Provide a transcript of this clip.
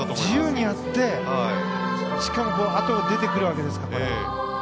自由にやってしかも跡が出てくるわけですか。